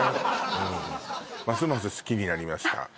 うんますます好きになりましたよかったです